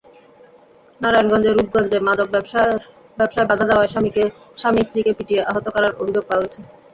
নারায়ণগঞ্জের রূপগঞ্জে মাদক ব্যবসায় বাধা দেওয়ায় স্বামী-স্ত্রীকে পিটিয়ে আহত করার অভিযোগ পাওয়া গেছে।